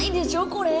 これ。